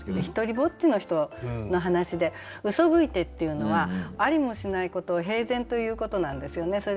ひとりぼっちの人の話で「うそぶいて」っていうのはありもしないことを平然と言うことなんですよね。